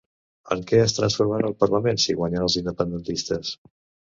En què es transformarà el parlament si guanyen els independentistes?